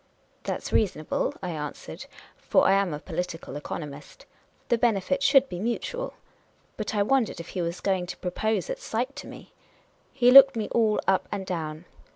" That 's reasonable," I answered ; for I am a political economist. " The benefit should be mutual." But I won dered if he were going to propose at sight to me. He looked me all up and down.